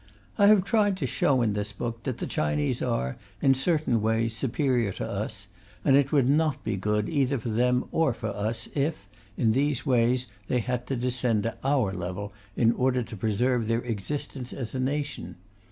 I have tried to show in this book that the Chinese are, in certain ways, superior to us, and it would not be good either for them or for us if, in these ways, they had to descend to our level in order to preserve their existence as a nation.